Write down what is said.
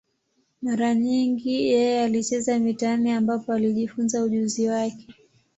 Mara nyingi yeye alicheza mitaani, ambapo alijifunza ujuzi wake.